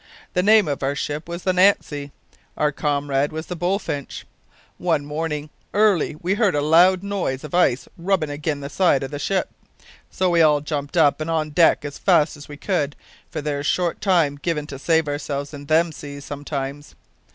The name of our ship was the Nancy. Our comrade was the Bullfinch. One mornin' early we heard a loud noise of ice rubbin' agin the sides o' the ship, so we all jumped up, an' on deck as fast as we could, for there's short time given to save ourselves in them seas sometimes.